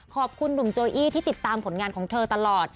ขอบคุณหนุ่มโจอี้ที่ติดตามผลงานของเธอตลอด